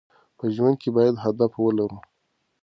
په ژوند کې باید هدف ولرو.